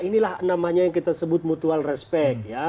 inilah namanya yang kita sebut mutual respect ya